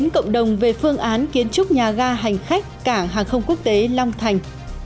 cộng đồng về phương án kiến trúc nhà ga hành khách cảng hàng không quốc tế long thành